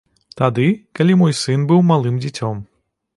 Тады, калі мой сын быў малым дзіцем.